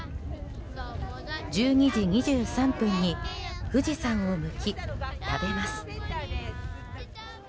１２時２３分に富士山を向き、食べます。